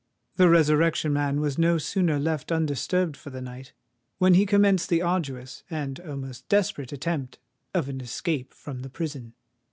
The Resurrection Man was no sooner left undisturbed for the night, when he commenced the arduous and almost desperate attempt of an escape from the prison.